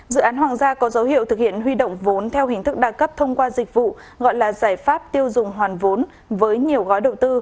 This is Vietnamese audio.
dự án hoàng gia có dấu hiệu thực hiện huy động vốn theo hình thức đa cấp thông qua dịch vụ gọi là giải pháp tiêu dùng hoàn vốn với nhiều gói đầu tư